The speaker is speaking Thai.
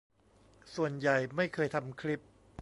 ส่วนใหญ่ไม่เคยทำคลิป